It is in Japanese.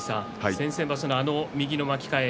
先々場所の、あの右の巻き替え